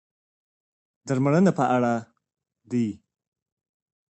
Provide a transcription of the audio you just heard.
درملنې په اړه دي.